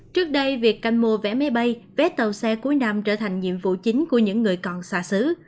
trước đây việc canh mua vé máy bay vé tàu xe cuối năm trở thành nhiệm vụ chính của những người còn xa xứ